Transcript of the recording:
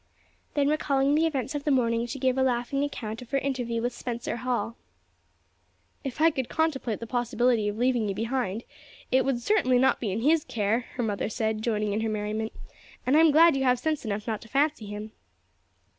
Then recalling the events of the morning she gave a laughing account of her interview with Spencer Hall. "If I could contemplate the possibility of leaving you behind it would certainly not be in his care," her mother said, joining in her merriment, "and I am glad you have sense enough not to fancy him."